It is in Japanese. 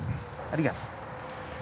ありがとう。